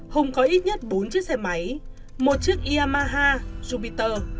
hùng có ít nhất bốn chiếc xe máy một chiếc iamaha jupiter